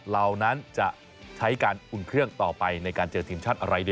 เรานั้นจะใช้การอุ่นเครื่องต่อไปในการเจอทีมชาติอะไรดี